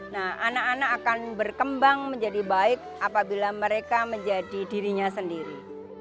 nah anak anak akan berkembang menjadi baik apabila mereka menjadi dirinya sendiri